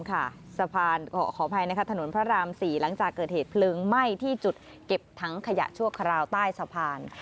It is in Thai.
ขออภัยนะคะถนนพระราม๔หลังจากเกิดเหตุเพลิงไหม้ที่จุดเก็บถังขยะชั่วคราวใต้สะพาน